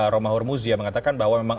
romahur muzia mengatakan bahwa memang